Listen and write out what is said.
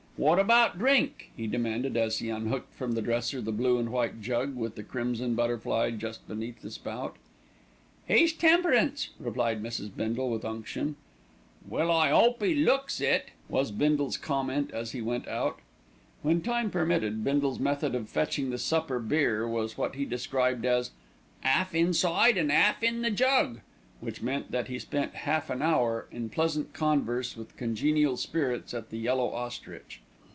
Wot about drink?" he demanded as he unhooked from the dresser the blue and white jug with the crimson butterfly just beneath the spout. "He's temperance," replied Mrs. Bindle with unction. "Well, I 'ope 'e looks it," was Bindle's comment as he went out. When time permitted, Bindle's method of fetching the supper beer was what he described as "'alf inside and 'alf in the jug," which meant that he spent half an hour in pleasant converse with congenial spirits at The Yellow Ostrich.